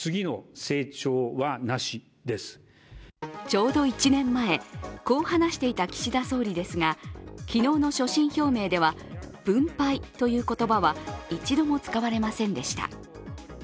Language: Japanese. ちょうど１年前こう話していた岸田総理ですが昨日の所信表明では分配という言葉は一度も使われませんでした。